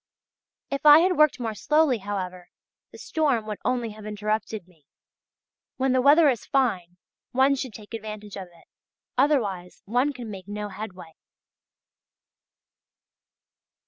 If I had worked more slowly, however, the storm would only have interrupted me. When the weather is fine one should take advantage of it, otherwise one can make no headway.